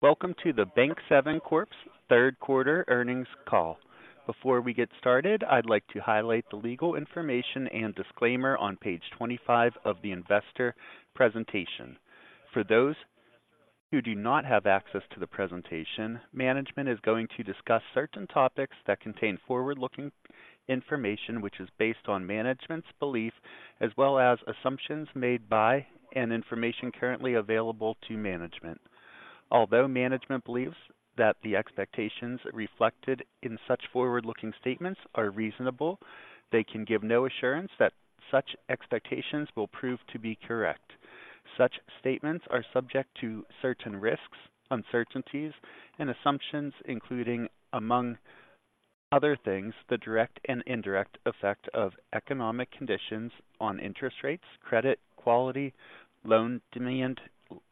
Welcome to the Bank7 Corp.'s third quarter earnings call. Before we get started, I'd like to highlight the legal information and disclaimer on page 25 of the investor presentation. For those who do not have access to the presentation, management is going to discuss certain topics that contain forward-looking information, which is based on management's belief, as well as assumptions made by and information currently available to management. Although management believes that the expectations reflected in such forward-looking statements are reasonable, they can give no assurance that such expectations will prove to be correct. Such statements are subject to certain risks, uncertainties, and assumptions, including, among other things, the direct and indirect effect of economic conditions on interest rates, credit quality, loan demand,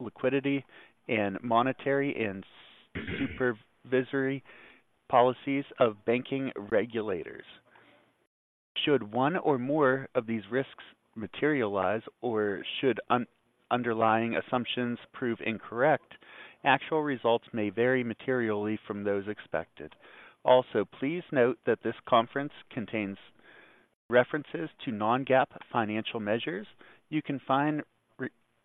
liquidity, and monetary and supervisory policies of banking regulators. Should one or more of these risks materialize or should underlying assumptions prove incorrect, actual results may vary materially from those expected. Also, please note that this conference contains references to non-GAAP financial measures. You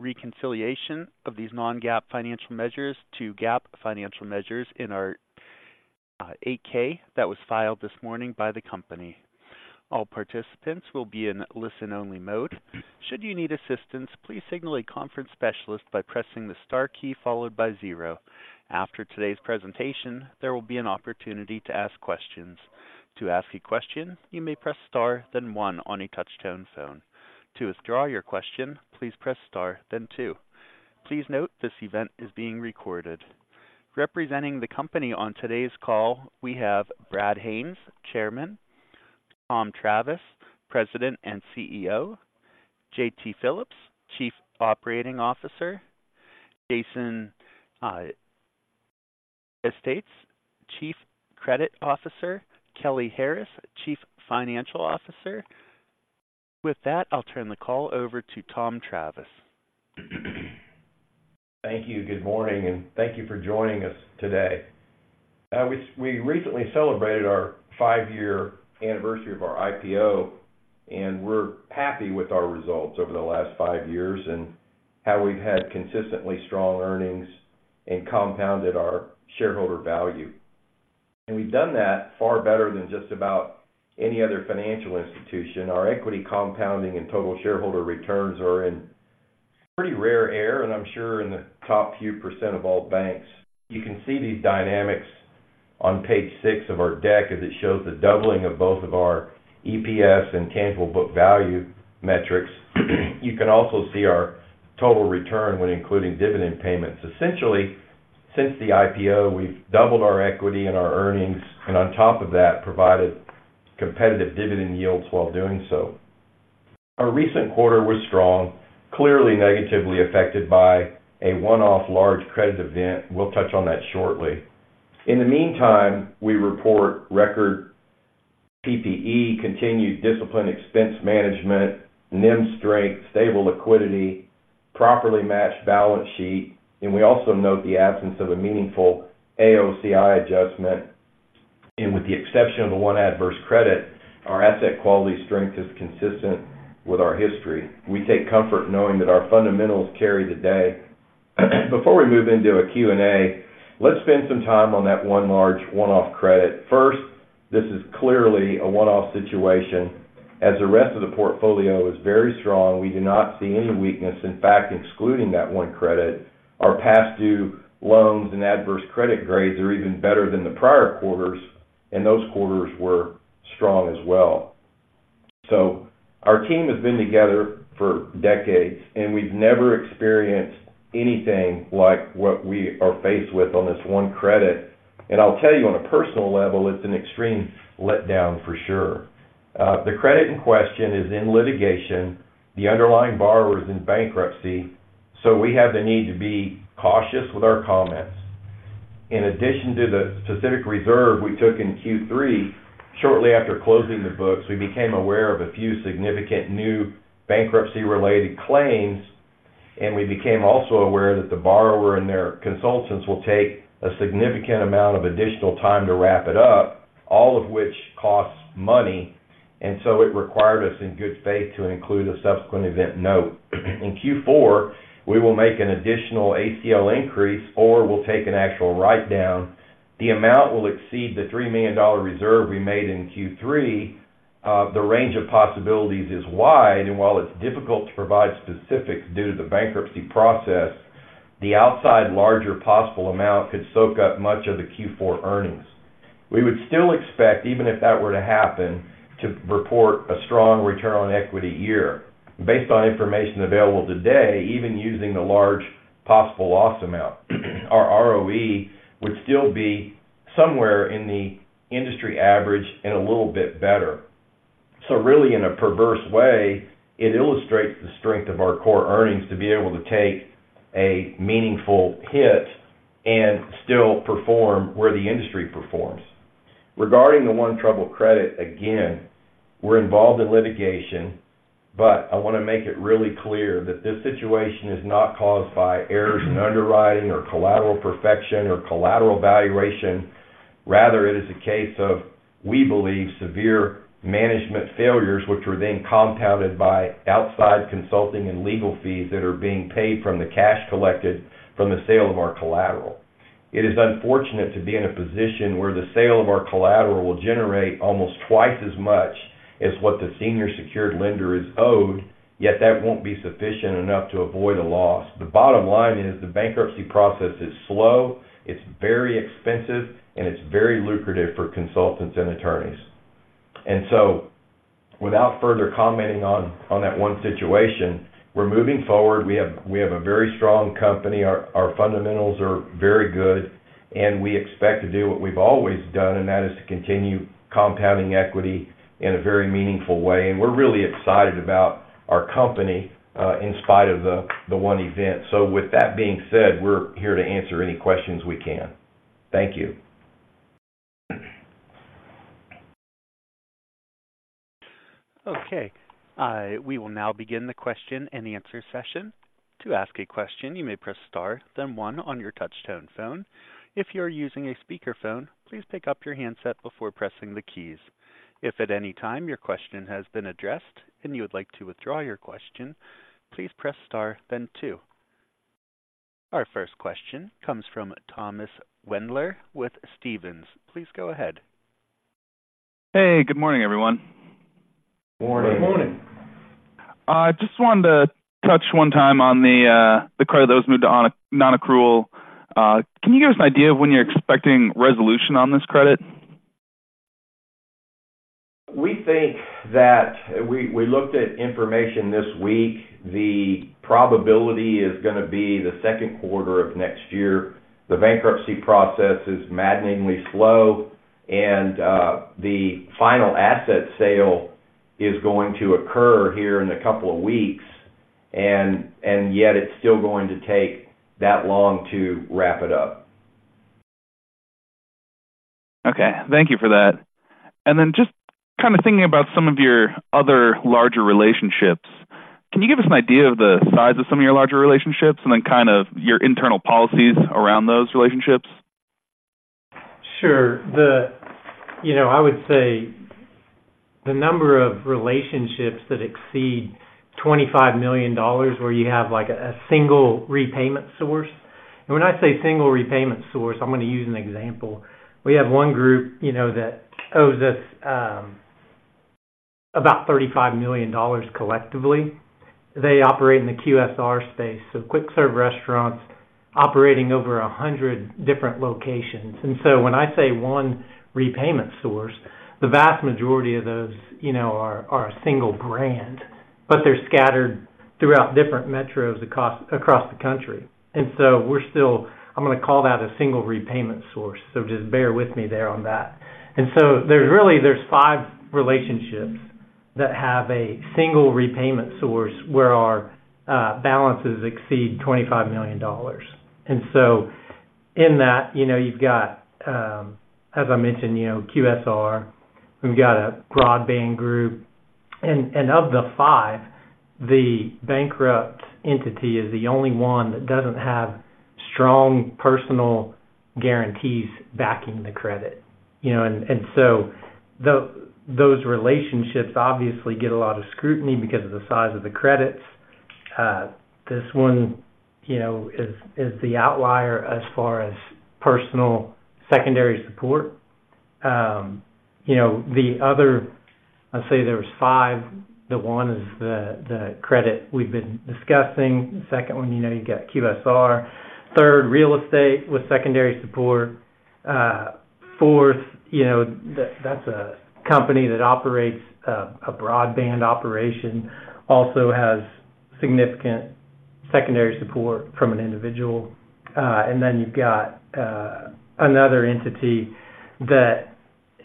can find reconciliation of these non-GAAP financial measures to GAAP financial measures in our 8-K that was filed this morning by the company. All participants will be in listen-only mode. Should you need assistance, please signal a conference specialist by pressing the star key followed by zero. After today's presentation, there will be an opportunity to ask questions. To ask a question, you may press Star, then one on a touch-tone phone. To withdraw your question, please press Star, then two. Please note, this event is being recorded. Representing the company on today's call, we have Brad Haines, Chairman, Tom Travis, President and Chief Executive Officer, J.T. Phillips, Chief Operating Officer, Jason Estes, Chief Credit Officer, Kelly Harris, Chief Financial Officer. With that, I'll turn the call over to Tom Travis. Thank you. Good morning, and thank you for joining us today. We recently celebrated our five-year anniversary of our IPO, and we're happy with our results over the last five years and how we've had consistently strong earnings and compounded our shareholder value. We've done that far better than just about any other financial institution. Our equity compounding and total shareholder returns are in pretty rare air, and I'm sure in the top few percent of all banks. You can see these dynamics on page 6 of our deck, as it shows the doubling of both of our EPS and tangible book value metrics. You can also see our total return when including dividend payments. Essentially, since the IPO, we've doubled our equity and our earnings, and on top of that, provided competitive dividend yields while doing so. Our recent quarter was strong, clearly negatively affected by a one-off large credit event. We'll touch on that shortly. In the meantime, we report record PPE, continued disciplined expense management, NIM strength, stable liquidity, properly matched balance sheet, and we also note the absence of a meaningful AOCI adjustment. With the exception of the one adverse credit, our asset quality strength is consistent with our history. We take comfort knowing that our fundamentals carry the day. Before we move into a Q&A, let's spend some time on that one large, one-off credit. First, this is clearly a one-off situation. As the rest of the portfolio is very strong, we do not see any weakness. In fact, excluding that one credit, our past due loans and adverse credit grades are even better than the prior quarters, and those quarters were strong as well. Our team has been together for decades, and we've never experienced anything like what we are faced with on this one credit. I'll tell you on a personal level, it's an extreme letdown for sure. The credit in question is in litigation. The underlying borrower is in bankruptcy, so we have the need to be cautious with our comments. In addition to the specific reserve we took in Q3, shortly after closing the books, we became aware of a few significant new bankruptcy-related claims, and we became also aware that the borrower and their consultants will take a significant amount of additional time to wrap it up, all of which costs money, and so it required us, in good faith, to include a subsequent event note. In Q4, we will make an additional ACL increase or we'll take an actual write-down. The amount will exceed the $3 million reserve we made in Q3. The range of possibilities is wide, and while it's difficult to provide specifics due to the bankruptcy process, the outside larger possible amount could soak up much of the Q4 earnings. We would still expect, even if that were to happen, to report a strong return on equity year. Based on information available today, even using the large possible loss amount, our ROE would still be somewhere in the industry average and a little bit better. So really, in a perverse way, it illustrates the strength of our core earnings to be able to take a meaningful hit and still perform where the industry performs. Regarding the one troubled credit, again, we're involved in litigation, but I want to make it really clear that this situation is not caused by errors in underwriting or collateral perfection or collateral valuation. Rather, it is a case of, we believe, severe management failures, which were then compounded by outside consulting and legal fees that are being paid from the cash collected from the sale of our collateral. It is unfortunate to be in a position where the sale of our collateral will generate almost twice as much as what the senior secured lender is owed, yet that won't be sufficient enough to avoid a loss. The bottom line is, the bankruptcy process is slow, it's very expensive, and it's very lucrative for consultants and attorneys. And so, without further commenting on that one situation, we're moving forward. We have a very strong company. Our fundamentals are very good, and we expect to do what we've always done, and that is to continue compounding equity in a very meaningful way. We're really excited about our company in spite of the one event. With that being said, we're here to answer any questions we can. Thank you. Okay. We will now begin the Q&A session. To ask a question, you may press Star, then one on your touch-tone phone. If you're using a speakerphone, please pick up your handset before pressing the keys. If at any time your question has been addressed and you would like to withdraw your question, please press star, then two. Our first question comes from Thomas Wendler with Stephens. Please go ahead. Hey, good morning, everyone. Morning. Good morning. I just wanted to touch one time on the credit that was moved to nonaccrual. Can you give us an idea of when you're expecting resolution on this credit? We think that... We looked at information this week. The probability is going to be the Q2 of next year. The bankruptcy process is maddeningly slow, and the final asset sale is going to occur here in a couple of weeks, and yet it's still going to take that long to wrap it up. Okay, thank you for that. And then just kind of thinking about some of your other larger relationships, can you give us an idea of the size of some of your larger relationships and then kind of your internal policies around those relationships? Sure. You know, I would say the number of relationships that exceed $25 million, where you have, like, a single repayment source—I would use an example. We have one group, you know, that owes us about $35 million collectively. They operate in the QSR space, so quick-serve restaurants operating over 100 different locations. When I say one repayment source, the vast majority of those, you know, are a single brand, but they're scattered throughout different metros across the country. I'm going to call that a single repayment source, so just bear with me there on that. There's really five relationships that have a single repayment source, where our balances exceed $25 million. And so in that, you know, you've got, as I mentioned, you know, QSR, we've got a broadband group. And of the five, the bankrupt entity is the only one that doesn't have strong personal guarantees backing the credit, you know. And so those relationships obviously get a lot of scrutiny because of the size of the credits. This one, you know, is the outlier as far as personal secondary support. You know, the other, I'd say there was five. The one is the credit we've been discussing. The second one, you know, you've got QSR. Third, real estate with secondary support. Fourth, you know, that's a company that operates a broadband operation, also has significant secondary support from an individual. And then you've got another entity that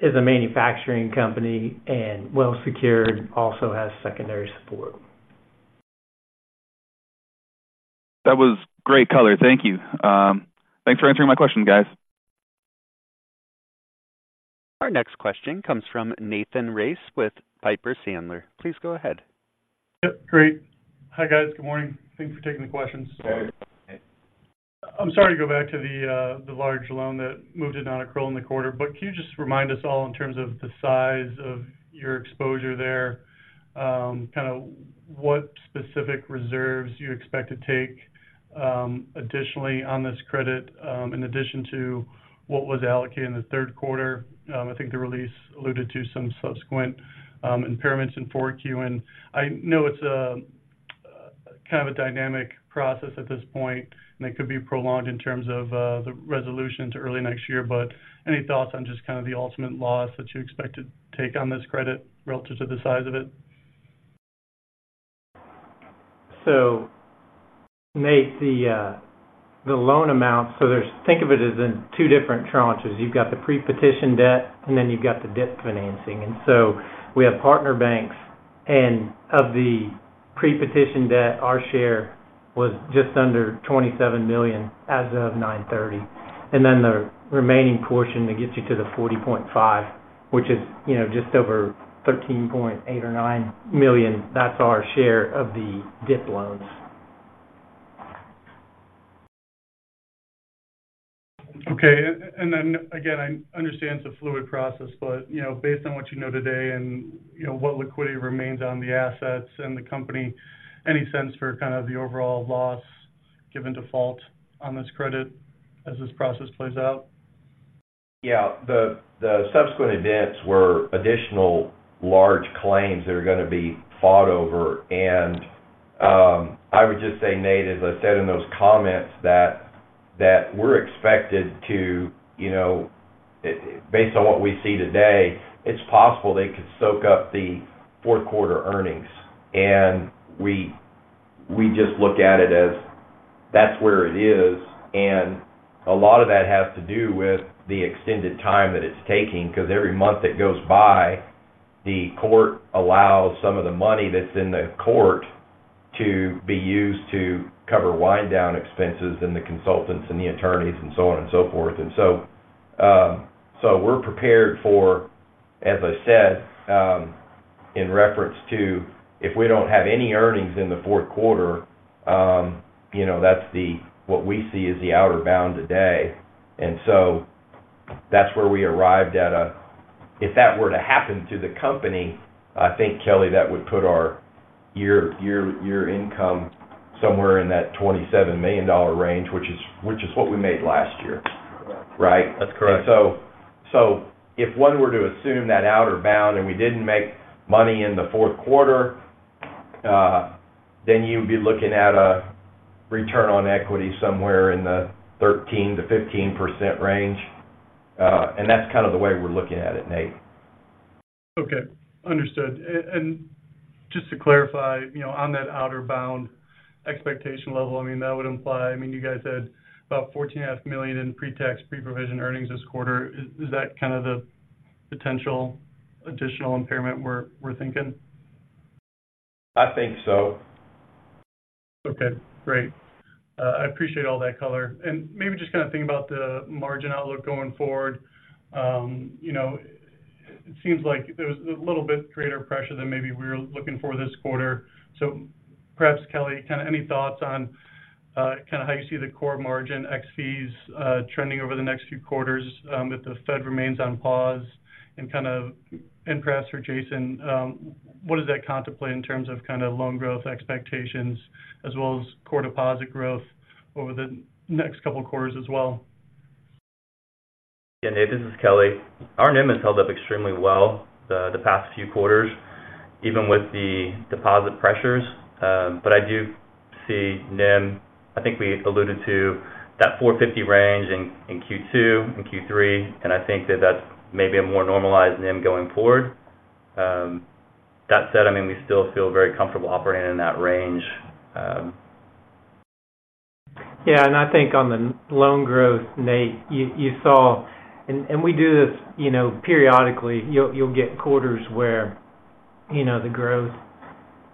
is a manufacturing company and well-secured, also has secondary support. That was great color. Thank you. Thanks for answering my question, guys. Our next question comes from Nathan Race with Piper Sandler. Please go ahead. Yep, great. Hi, guys. Good morning. Thanks for taking the questions. Hey. I'm sorry to go back to the large loan that moved to nonaccrual in the quarter, but can you just remind us all in terms of the size of your exposure there, kind of what specific reserves you expect to take, additionally on this credit, in addition to what was allocated in the Q3? I think the release alluded to some subsequent impairments in 4Q. And I know it's kind of a dynamic process at this point, and it could be prolonged in terms of the resolution to early next year, but any thoughts on just kind of the ultimate loss that you expect to take on this credit relative to the size of it? So, Nate, the loan amount. So, think of it as in two different tranches. You've got the pre-petition debt, and then you've got the debt financing. And so we have partner banks, and of the pre-petition debt, our share was just under $27 million as of September 30. And then the remaining portion that gets you to the $40.5 million, which is, you know, just over $13.8 or 13.9 million, that's our share of the DIP loans. Okay. And then again, I understand it's a fluid process, but, you know, based on what you know today and, you know, what liquidity remains on the assets and the company, any sense for kind of the overall loss, given default on this credit as this process plays out? Yeah, the subsequent events were additional large claims that are going to be fought over. And, I would just say, Nate, as I said in those comments, that we're expected to, you know, based on what we see today, it's possible they could soak up the Q4 earnings. And we just look at it as that's where it is, and a lot of that has to do with the extended time that it's taking, because every month that goes by, the court allows some of the money that's in the court to be used to cover wind-down expenses and the consultants and the attorneys and so on and so forth. We're prepared for, as I said, in reference to, if we don't have any earnings in the Q4, you know, that's what we see as the outer bound today. That's where we arrived at. If that were to happen to the company, I think, Kelly, that would put our year income somewhere in that $27 million range, which is what we made last year. Correct. Right? That's correct. And so, so if one were to assume that outer bound and we didn't make money in the Q4, then you'd be looking at a return on equity somewhere in the 13%-15% range. And that's kind of the way we're looking at it, Nate. Okay, understood. And just to clarify, you know, on that outer bound expectation level, I mean, that would imply, I mean, you guys had about $14.5 million in pre-tax, pre-provision earnings this quarter. Is that kind of the potential additional impairment we're thinking? I think so. Okay, great. I appreciate all that color. And maybe just kind of thinking about the margin outlook going forward, you know, it seems like there was a little bit greater pressure than maybe we were looking for this quarter. So perhaps, Kelly, kind of any thoughts on, kind of how you see the core margin, ex-fees, trending over the next few quarters, if the Fed remains on pause? And kind of in perhaps for Jason, what does that contemplate in terms of kind of loan growth expectations, as well as core deposit growth over the next couple of quarters as well? Yeah, Nate, this is Kelly. Our NIM has held up extremely well the past few quarters, even with the deposit pressures. But I do see NIM - I think we alluded to that 4.50% range in Q2 and Q3, and I think that's maybe a more normalized NIM going forward. That said, I mean, we still feel very comfortable operating in that range. Yeah, and I think on the loan growth, Nate, you saw – and we do this, you know, periodically, you'll get quarters where, you know, the growth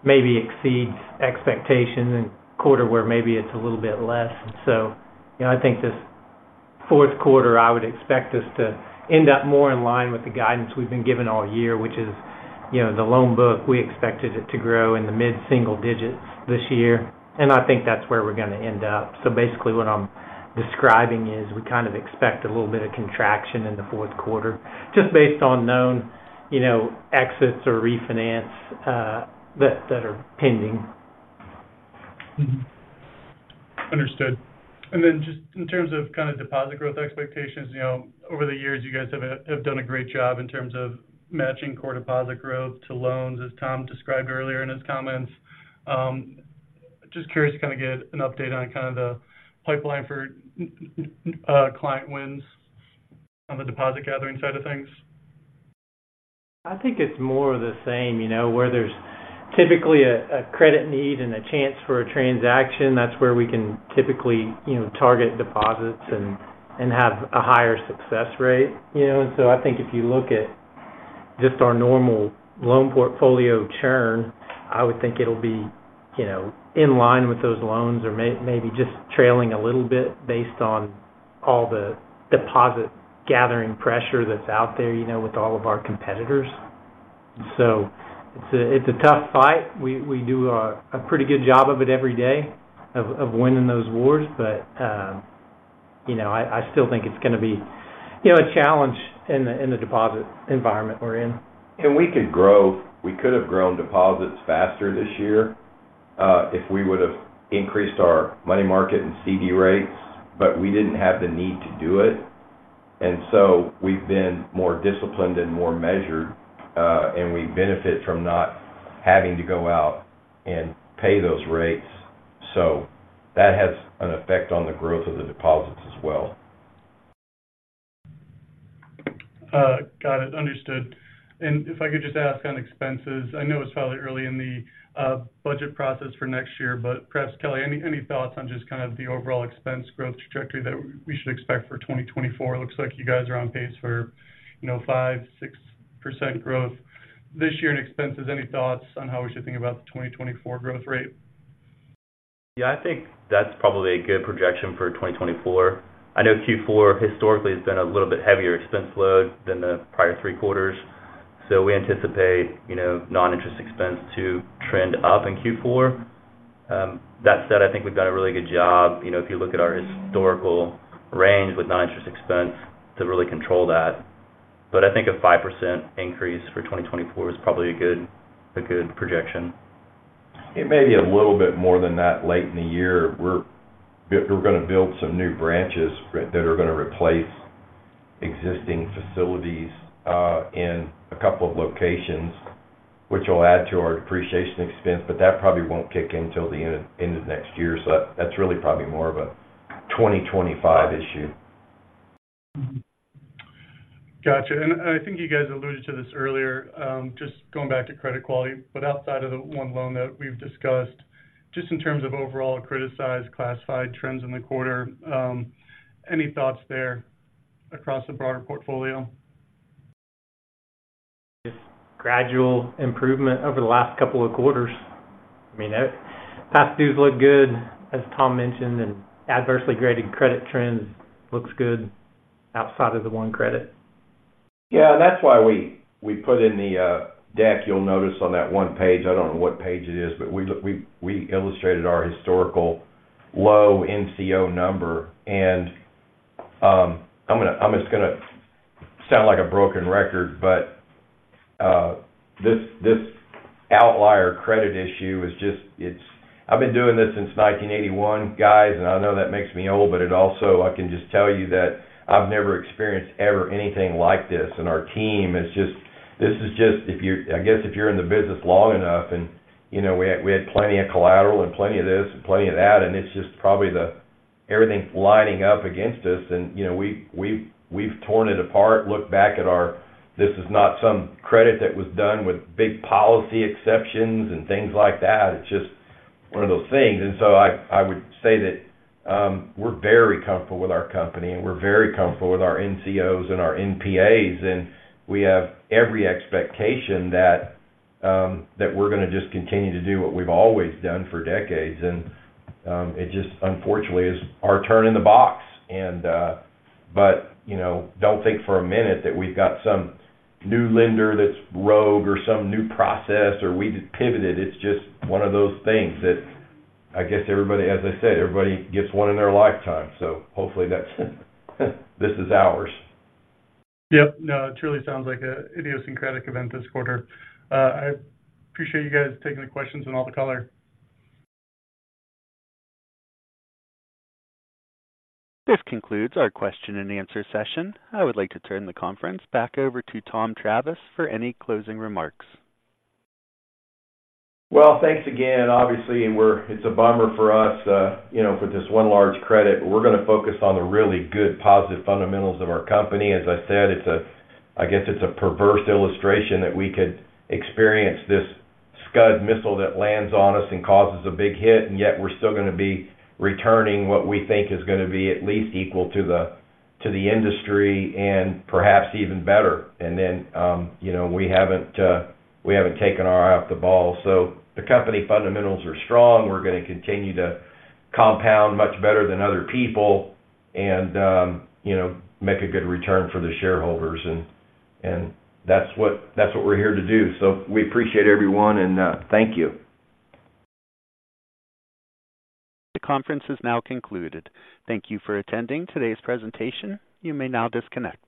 maybe exceeds expectations and quarter, where maybe it's a little bit less. So, you know, I think this Q4, I would expect us to end up more in line with the guidance we've been given all year, which is, you know, the loan book, we expected it to grow in the mid-single digits this year, and I think that's where we're going to end up. So basically, what I'm describing is we kind of expect a little bit of contraction in the Q4, just based on known, you know, exits or refinance, that are pending. Understood. And then just in terms of kind of deposit growth expectations, you know, over the years, you guys have done a great job in terms of matching core deposit growth to loans, as Tom described earlier in his comments. Just curious to kind of get an update on kind of the pipeline for client wins on the deposit gathering side of things. I think it's more of the same, you know, where there's typically a credit need and a chance for a transaction, that's where we can typically, you know, target deposits and have a higher success rate, you know? And so I think if you look at just our normal loan portfolio churn, I would think it'll be, you know, in line with those loans or maybe just trailing a little bit based on all the deposit gathering pressure that's out there, you know, with all of our competitors. So it's a tough fight. We do a pretty good job of it every day of winning those wars, but, you know, I still think it's going to be, you know, a challenge in the deposit environment we're in. And we could have grown deposits faster this year, if we would have increased our money market and CD rates, but we didn't have the need to do it. And so we've been more disciplined and more measured, and we benefit from not having to go out and pay those rates. So that has an effect on the growth of the deposits as well. Got it. Understood. And if I could just ask on expenses. I know it's probably early in the budget process for next year, but perhaps, Kelly, any thoughts on just kind of the overall expense growth trajectory that we should expect for 2024? It looks like you guys are on pace for, you know, 5%-6% growth this year in expenses. Any thoughts on how we should think about the 2024 growth rate? Yeah, I think that's probably a good projection for 2024. I know Q4 historically has been a little bit heavier expense load than the prior three quarters. So we anticipate, you know, non-interest expense to trend up in Q4. That said, I think we've done a really good job. You know, if you look at our historical range with non-interest expense to really control that. But I think a 5% increase for 2024 is probably a good, a good projection. It may be a little bit more than that late in the year. We're gonna build some new branches that are gonna replace existing facilities in a couple of locations, which will add to our depreciation expense, but that probably won't kick in till the end of next year. So that's really probably more of a 2025 issue. Got you. And, and I think you guys alluded to this earlier, just going back to credit quality, but outside of the one loan that we've discussed, just in terms of overall criticized, classified trends in the quarter, any thoughts there across the broader portfolio? Just gradual improvement over the last couple of quarters. I mean, past dues look good, as Tom mentioned, and adversely graded credit trends looks good outside of the one credit. Yeah, that's why we put in the deck. You'll notice on that one page, I don't know what page it is, but we look, we illustrated our historical low NCO number. And I'm just gonna sound like a broken record, but this, this outlier credit issue is just, it's. I've been doing this since 1981, guys, and I know that makes me old, but it also, I can just tell you that I've never experienced ever anything like this. And our team is just, this is just, if you're in the business long enough and, you know, we had plenty of collateral and plenty of this and plenty of that, and it's just probably the everything's lining up against us and, you know, we've torn it apart, looked back at our- This is not some credit that was done with big policy exceptions and things like that. It's just one of those things. And so I, I would say that, we're very comfortable with our company, and we're very comfortable with our NCOs and our NPAs, and we have every expectation that, that we're gonna just continue to do what we've always done for decades. And, it just, unfortunately, is our turn in the box. And, but, you know, don't think for a minute that we've got some new lender that's rogue or some new process or we just pivoted. It's just one of those things that I guess everybody, as I said, everybody gets one in their lifetime, so hopefully, that's this is ours. Yep. No, it truly sounds like an idiosyncratic event this quarter. I appreciate you guys taking the questions and all the color. This concludes our Q&A session. I would like to turn the conference back over to Tom Travis for any closing remarks. Well, thanks again. Obviously, we're - it's a bummer for us, you know, for this one large credit, but we're gonna focus on the really good, positive fundamentals of our company. As I said, it's a - I guess, it's a perverse illustration that we could experience this Scud missile that lands on us and causes a big hit, and yet we're still gonna be returning what we think is gonna be at least equal to the, to the industry and perhaps even better. And then, you know, we haven't, we haven't taken our eye off the ball. So the company fundamentals are strong. We're gonna continue to compound much better than other people and, you know, make a good return for the shareholders, and, and that's what, that's what we're here to do. So we appreciate everyone, and thank you. The conference is now concluded. Thank you for attending today's presentation. You may now disconnect.